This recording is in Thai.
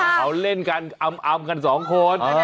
เขาเล่นกันอำกันสองคน